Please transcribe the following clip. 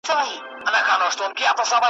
ویدو خلکو پرتو خلکو! .